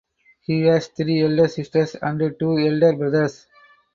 He has three elder sisters and two elder brothers.